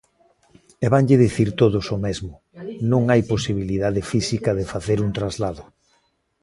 E vanlle dicir todos o mesmo: non hai posibilidade física de facer un traslado.